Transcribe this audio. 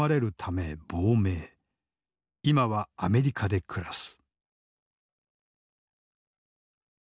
今はアメリカで暮らす。